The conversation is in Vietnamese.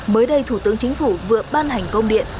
mới đây thủ tướng chính phủ vừa ban hành công điện